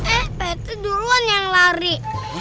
eh pak rt duluan yang lari